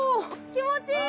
気持ちいい！